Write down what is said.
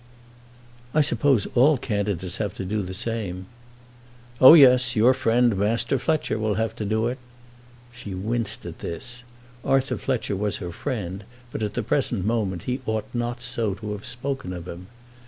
"I suppose all candidates have to do the same." "Oh yes; your friend, Master Fletcher, will have to do it." She winced at this. Arthur Fletcher was her friend, but at the present moment he ought not so to have spoken of him.